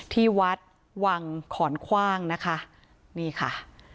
ที่วัดวังขอนคว่างนะคะนี่ค่ะ